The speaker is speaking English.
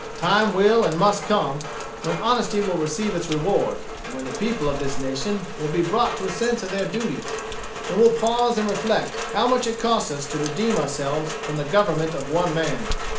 The time will and must come, when honesty will receive its reward, and when the people of this nation will be brought to a sense of their duty, and will pause and reflect how much it cost us to redeem ourselves from the government of one man.